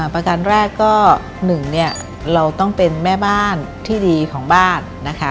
ประการแรกก็๑เนี่ยเราต้องเป็นแม่บ้านที่ดีของบ้านนะคะ